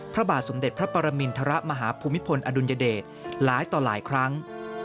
พระบาทสมเด็จพระปรมินทรมาฮภูมิพลอดุลยเดชหลายต่อหลายครั้ง